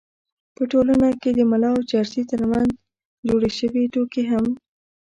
په ټولنه کې د ملا او چرسي تر منځ جوړې شوې ټوکې هم